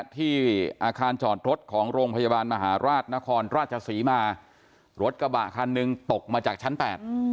ที่อาคารจอดรถของโรงพยาบาลมหาราชนครราชศรีมารถกระบะคันหนึ่งตกมาจากชั้นแปด